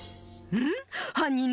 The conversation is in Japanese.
ん？